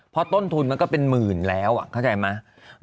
เพราะต้นทุนมันก็เป็นหมื่นแล้วเข้าใจไหม